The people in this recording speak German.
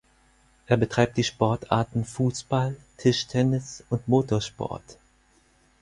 Er betreibt die Sportarten Fußball, Tischtennis und Motorsport.